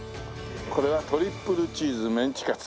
これは「トリプルチーズメンチカツ」。